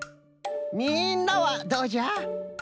みんなはどうじゃ？